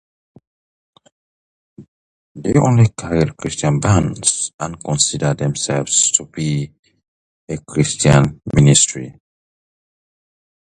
They only carried Christian bands and considered themselves to be a Christian ministry.